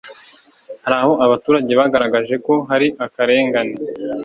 hari aho abaturage bagaragaje ko hari akarengane